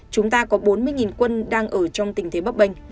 chúng ta có bốn mươi quân đang ở trong tình thế bấp bênh